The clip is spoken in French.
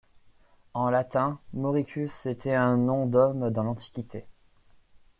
En latin, Mauricus était un nom d'homme dans l'Antiquité.